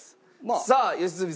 さあ良純さん。